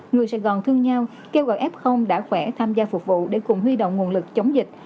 người sài gòn thương nhau kêu gọi f đã khỏe tham gia phục vụ để cùng huy động nguồn lực chống dịch